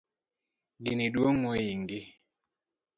Gini duong mohingi